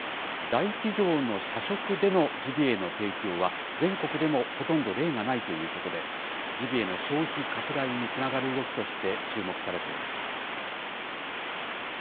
大企業の社食でのジビエの提供は、全国でもほとんど例がないということで、ジビエの消費拡大につながる動きとして注目されそうです。